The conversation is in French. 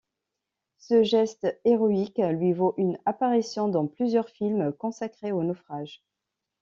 Ce geste héroïque lui vaut une apparition dans plusieurs films consacrés au naufrage.